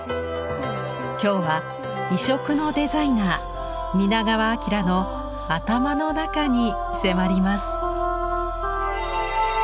今日は異色のデザイナー皆川明の頭の中に迫ります。